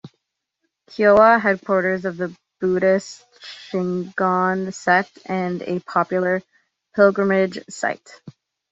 Koya, headquarters of the Buddhist Shingon sect and a popular pilgrimage site.